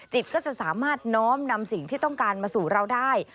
ก็จะสามารถน้อมนำสิ่งที่ต้องการมาสู่เราได้